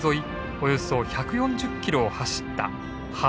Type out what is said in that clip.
およそ１４０キロを走った羽幌線。